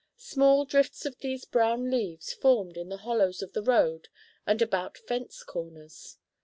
Small drifts of these brown leaves formed in the hollows of the road and about fence corners.